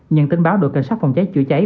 nhân tình báo đội cảnh sát phòng cháy chữa cháy